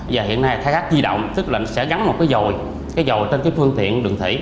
giờ hiện nay khai thác di động tức là nó sẽ gắn một cái dồi cái dồi trên cái phương tiện đường thủy